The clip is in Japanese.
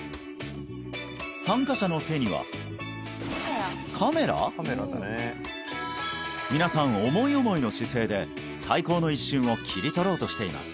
参加者の手には皆さん思い思いの姿勢で最高の一瞬を切り取ろうとしています